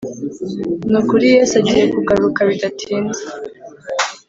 Nukuri Yesu agiye kugaruka bidatinze,